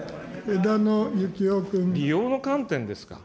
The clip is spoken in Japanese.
利用の観点ですか。